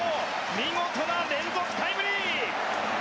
見事な連続タイムリー。